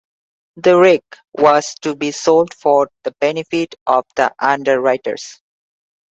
The wreck was to be sold for the benefit of the underwriters.